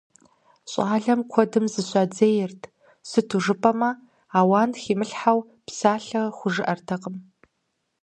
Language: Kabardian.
ЩӀалэм куэдым зыщадзейрт, сыту жыпӀэмэ ауан химылъхьэу псалъэ хужыӀэртэкъым.